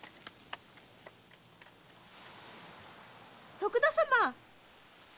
徳田様！